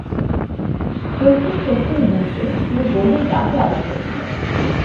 প্রথম টেস্টের ইনিংসে তিনি গোল্ডেন ডাকে আউট হয়েছিলেন।